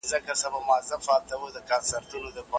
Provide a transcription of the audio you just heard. ښه مذاکره کوونکی د بل خبره اوري.